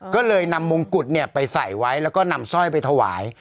ก็เลยนำมงกุฎไปใส่ไว้แล้วก็นำสร้อยไปถวาย